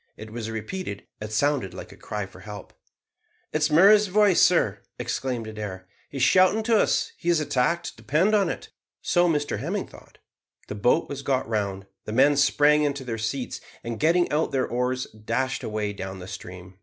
It was repeated. It sounded like a cry for help. "It is Murray's voice, sir," exclaimed Adair; "he is shouting to us; he is attacked, depend on it." So Mr Hemming thought. The boat was got round, the men sprang into their seats, and, getting out their oars, dashed away down the stream.